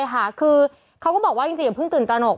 ใช่ค่ะคือเขาก็บอกว่าจริงอย่าเพิ่งตื่นตระหนก